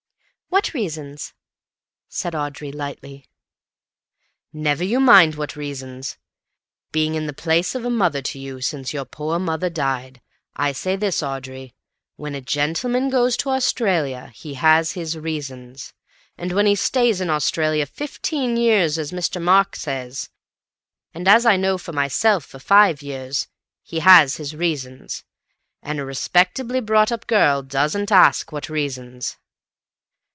"What reasons?" said Audrey lightly. "Never mind what reasons. Being in the place of a mother to you, since your poor mother died, I say this, Audrey—when a gentleman goes to Australia, he has his reasons. And when he stays in Australia fifteen years, as Mr. Mark says, and as I know for myself for five years, he has his reasons. And a respectably brought up girl doesn't ask what reasons."